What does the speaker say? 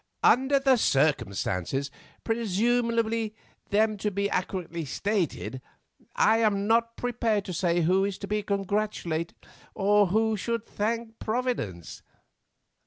"Under the circumstances, presuming them to be accurately stated, I am not prepared to say who is to be congratulated or who should thank Providence.